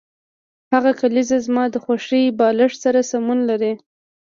هغه کلیزه زما د خوښې بالښت سره سمون نلري